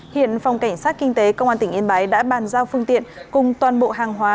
hiện phòng cảnh sát kinh tế công an tỉnh yên bái đã bàn giao phương tiện cùng toàn bộ hàng hóa